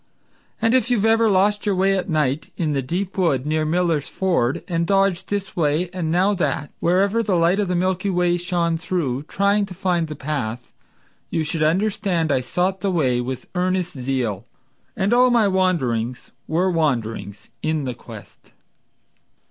And if you have ever lost your way at night, In the deep wood near Miller's Ford, And dodged this way and now that, Wherever the light of the Milky Way shone through, Trying to find the path, You should understand I sought the way With earnest zeal, and all my wanderings Were wanderings in the quest.